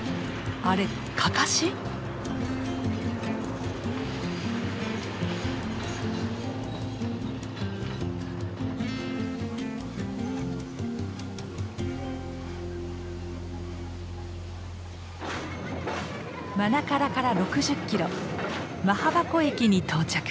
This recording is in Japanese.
マナカラから６０キロマハバコ駅に到着。